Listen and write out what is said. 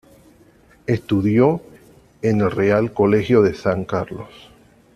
Estudió en el Real Colegio de San Carlos.